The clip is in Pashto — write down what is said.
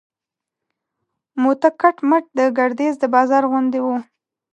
موته کټ مټ د ګردیز د بازار غوندې و.